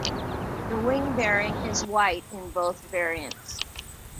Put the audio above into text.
The wing barring is white in both variants.